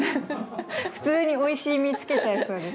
普通においしい実つけちゃいそうです